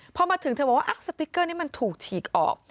พอมาถึงเธอบอกว่าสติ๊กเกอร์นี้มันถูกฉีกออก